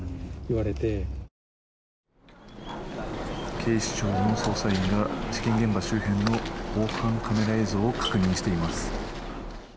警視庁の捜査員が事件現場周辺の防犯カメラ映像を確認しています。